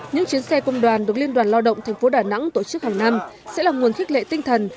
những chuyến xe công đoàn được liên đoàn lao động tp đà nẵng tổ chức hàng năm sẽ là nguồn khích lệ tinh thần